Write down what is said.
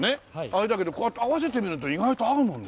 あれだけどこうやって合わせてみると意外と合うもんですね。